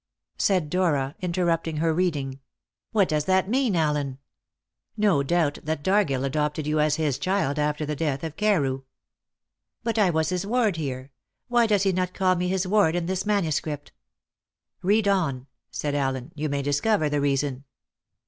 said Dora, interrupting her reading. "What does that mean, Allen?" "No doubt that Dargill adopted you as his child after the death of Carew." "But I was his ward here; why does he not call me his ward in this manuscript?" "Read on," said Allen. "You may discover the reason."